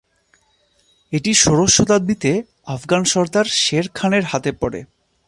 এটি ষোড়শ শতাব্দীতে আফগান সর্দার শের খানের হাতে পড়ে।